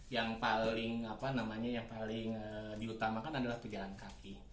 yang paling diutamakan adalah pejalan kaki